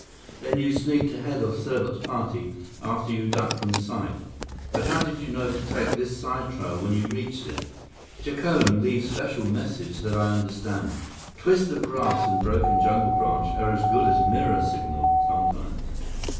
"Then you sneaked ahead of Serbot's party after you ducked from sight. But how did you know to take this side trail when you reached it?" "Jacome leave special message that I understand. Twist of grass and broken jungle branch are as good as mirror signal, sometimes."